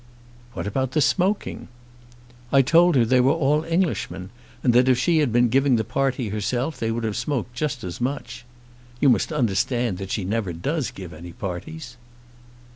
"What about the smoking?" "I told her they were all Englishmen, and that if she had been giving the party herself they would have smoked just as much. You must understand that she never does give any parties."